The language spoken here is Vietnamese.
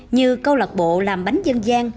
như câu lạc bộ làm bánh dân gian